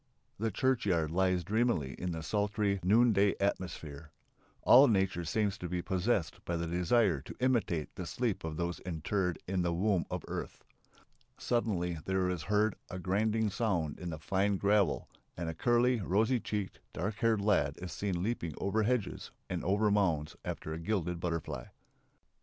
The churchyard lies dreamily in the sultry noonday atmosphere. All nature seems to be possessed by the desire to imitate the sleep of those interred in the womb of earth. Suddenly there is heard a grinding sound in the fine gravel and a curly, rosy cheeked, dark haired lad is seen leaping over hedges and over mounds after a gilded butterfly....